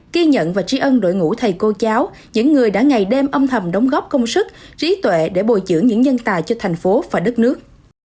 kiên nhận và trí ân đội ngũ thầy cô cháu những người đã ngày đêm âm thầm đóng góp công sức trí tuệ để bồi trưởng những nhân tài cho thành phố và đất nước